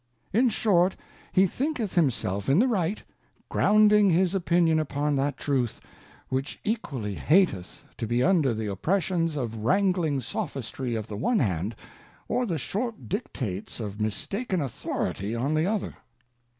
In short he thinketh himself in the right, grounding his Opinion upon that Truth, which equally hateth to be under the Oppressions of wrangling Sophistry of the one hand, or the short dictates of mistaken Authority on the other.